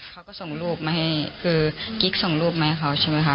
เขาก็ส่งรูปมาให้คือกิ๊กส่งรูปมาให้เขาใช่ไหมคะ